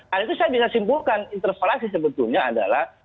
hal itu saya bisa simpulkan interpelasi sebetulnya adalah